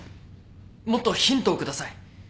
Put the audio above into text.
もっとヒントを下さい。